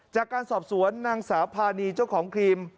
จากการสอบสวนนางสาวพานีเจ้าของครีม